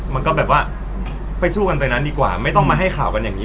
มันก็แบบว่าไปสู้กันไปนั้นดีกว่าไม่ต้องมาให้ข่าวกันอย่างนี้